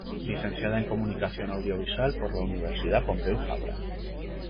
Licenciada en Comunicación Audiovisual por la Universidad Pompeu Fabra.